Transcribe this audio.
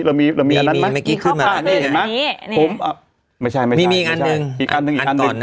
เห็นมั้ยพอไม่ใช่ไม่ใช่มีอีกอันนึง